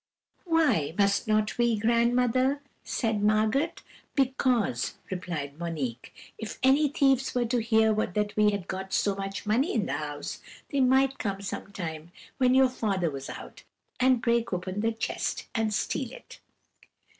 "'Why must not we, grandmother?' said Margot. "'Because,' replied Monique, 'if any thieves were to hear that we had got so much money in the house, they might come some time when your father was out, and break open the chest and steal it.'